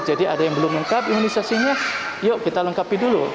jadi ada yang belum lengkap imunisasinya yuk kita lengkapi dulu